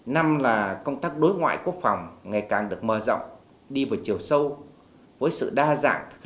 năm là công tác đối ngoại quốc phòng ngày càng được mở rộng đi vào chiều sâu với sự đa dạng